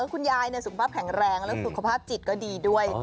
คุณยายสุขภาพแข็งแรงแล้วสุขภาพจิตก็ดีด้วย